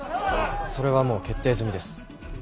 それはもう決定済みです。